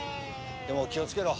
でも気をつけろ。